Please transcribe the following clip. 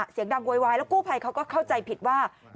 เสียงดังโวยไวแล้วกู่ไพครัวก็เข้าใจผิดว่า